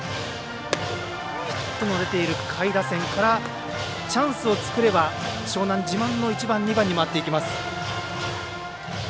ヒットも出てる下位打線からチャンスが作れれば自慢の１番、２番に回っていきます。